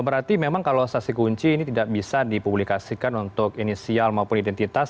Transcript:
berarti memang kalau saksi kunci ini tidak bisa dipublikasikan untuk inisial maupun identitas